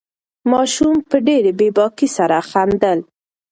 ماشوم په ډېرې بې باکۍ سره خندل.